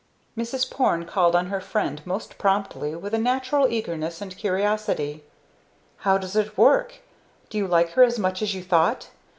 Mrs. Porne called on her friend most promptly, with a natural eagerness and curiosity. "How does it work? Do you like her as much as you thought?